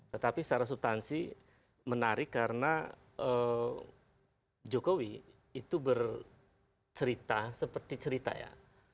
tetapi secara subtansi menarik karena jokowi itu bercerita seperti cerita ya